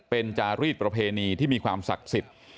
เป็นจารีสประเพณีที่มีความศักดิ์สิทธิ์